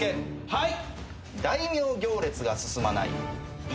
はい！